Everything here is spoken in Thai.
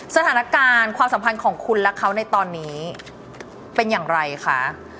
สถานการณ์ความสัมพันธ์ของคุณและเขาในตอนนี้เป็นอย่างไรคะ